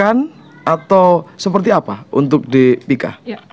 atau seperti apa untuk diikah